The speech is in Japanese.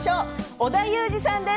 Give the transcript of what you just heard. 織田裕二さんです。